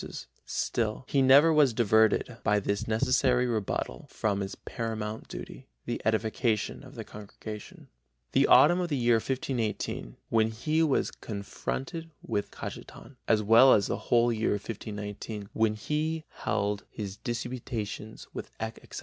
Prieriatis responsio, still he never was diverted by this necessary rebuttal from his paramount duty, the edification of the congregation. The autumn of the year 1518, when he was confronted with Cajetan, as well as the whole year of 1519, when he held his disputations with Eck, etc.